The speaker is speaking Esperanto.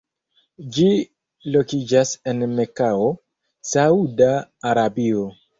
Ĝi lokiĝas en Mekao, Sauda Arabio.